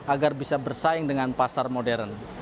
agar bisa bersaing dengan pasar modern